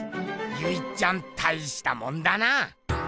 ゆいっちゃんたいしたもんだな！